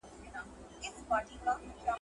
د شهیدانو وینې مه هیروئ.